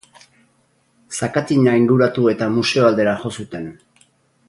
Zakatina inguratu eta museo aldera jo zuten.